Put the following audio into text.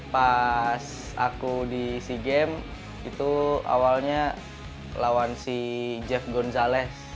pas aku di sea games itu awalnya lawan si jeff gonzalez